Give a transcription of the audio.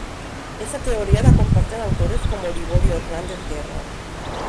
Esta teoría la comparten autores como Liborio Hernández Guerra.